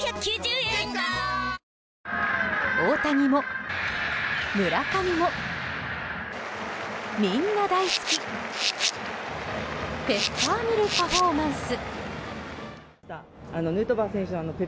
⁉大谷も村上もみんな大好きペッパーミル・パフォーマンス。